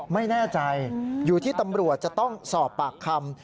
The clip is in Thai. ไม่แน่ใจอยู่ที่ตำรวจจะต้องสอบปากคำ